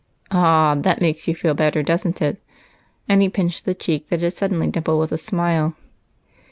Ah ! that makes you feel better, does n't it ?" and he pinched the cheek that had suddenly dimpled with a smile.